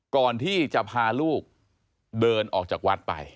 ก่อนที่จะพาลูกเดินออกจากวัดไป